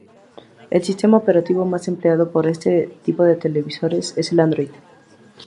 El sistema operativo más empleado por este tipo de televisores es Android.